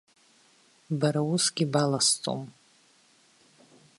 Бара усгьы баласҵом.